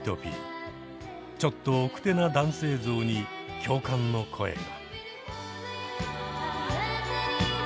ちょっとおくてな男性像に共感の声が。